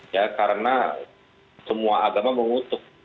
ya karena semua agama mengutuk